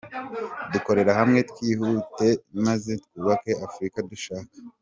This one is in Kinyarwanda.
Dukorere hamwe, twihute maze twubake Afurika dushaka.